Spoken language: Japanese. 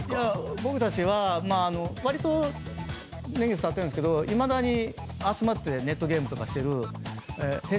僕たちはわりと年月たってるんですけどいまだに集まってネットゲームとかしてるＨｅｙ！